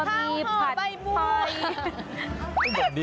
ข้าวห่อใบบัว